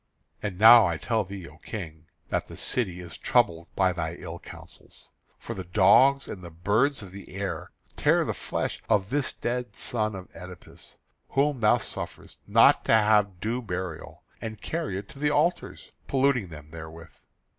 And now I tell thee, O King, that the city is troubled by thy ill counsels. For the dogs and the birds of the air tear the flesh of this dead son of Oedipus, whom thou sufferest not to have due burial, and carry it to the altars, polluting them therewith.